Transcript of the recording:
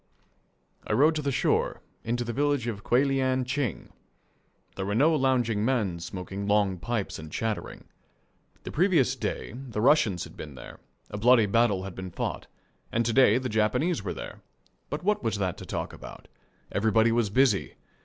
I rode to the shore, into the village of Kuelian Ching. There were no lounging men smoking long pipes and chattering. The previous day the Russians had been there, a bloody battle had been fought, and to day the Japanese were there but what was that to talk about? Everybody was busy.